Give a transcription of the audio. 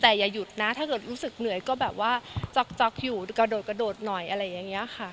แต่อย่าหยุดนะถ้าเกิดรู้สึกเหนื่อยก็แบบว่าจ๊อกอยู่กระโดดกระโดดหน่อยอะไรอย่างนี้ค่ะ